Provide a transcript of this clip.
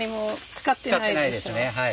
使ってないですね。